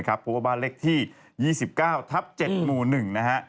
หัวบาลเล็กที่๒๙ทัพ๗หมู่๑นะฮะ